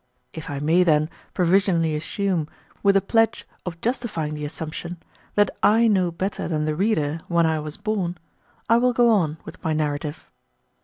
If I may, then, provisionally assume, with the pledge of justifying the assumption, that I know better than the reader when I was born, I will go on with my narrative.